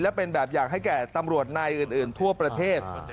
และเป็นแบบอย่างให้แก่ตำรวจนายอื่นทั่วประเทศ